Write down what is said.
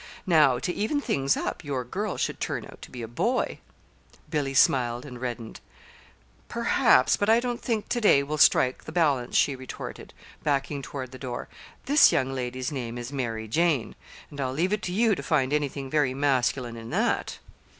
Now, to even things up, your girl should turn out to be a boy!" Billy smiled and reddened. "Perhaps but I don't think to day will strike the balance," she retorted, backing toward the door. "This young lady's name is 'Mary Jane'; and I'll leave it to you to find anything very masculine in that!"